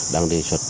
đang đề xuất